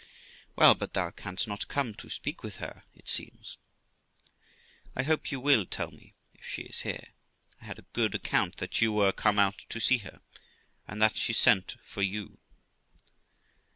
Qu. Well, but thou canst not come to speak with her, it seems. Girl. I hope you will tell me if she is here. I had a good account that you were come out to see her, and that she sent for you. Qu.